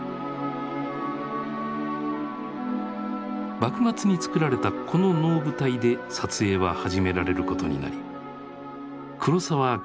幕末につくられたこの能舞台で撮影は始められることになり黒澤明